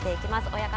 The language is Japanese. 親方